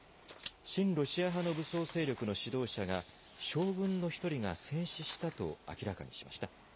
親ロシア派の武装勢力の指導者が、将軍の１人が戦死したと明らかにしました。